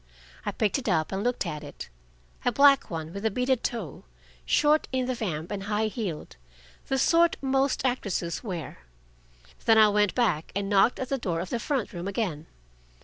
I picked it up and looked at it a black one with a beaded toe, short in the vamp and high heeled, the sort most actresses wear. Then I went back and knocked at the door of the front room again.